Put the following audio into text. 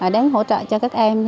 đến hỗ trợ cho các em